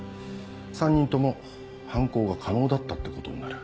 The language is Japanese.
３人とも犯行が可能だったってことになる。